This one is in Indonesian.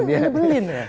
kan nyebelin ya